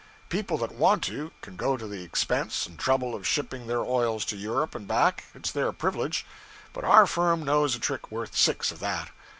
People that want to, can go to the expense and trouble of shipping their oils to Europe and back it's their privilege; but our firm knows a trick worth six of that.